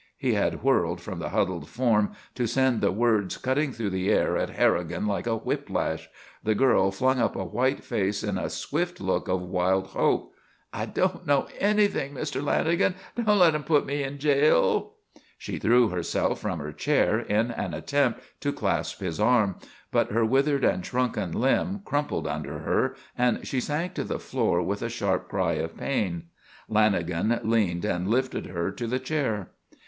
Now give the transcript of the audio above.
He had whirled from the huddled form to send the words cutting through the air at Harrigan like a whiplash. The girl flung up a white face in a swift look of wild hope. "I don't know anything, Mr. Lanagan! Don't let them put me in jail!" She threw herself from her chair in an attempt to clasp his arm but her withered and shrunken limb crumpled under her and she sank to the floor with a sharp cry of pain. Lanagan leaned and lifted her to the chair.